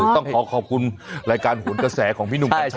ต้องขอขอบคุณรายการโหนกระแสของพี่หนุ่มกัญชัย